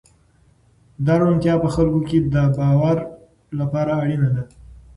دا روڼتیا په خلکو کې د باور لپاره اړینه ده.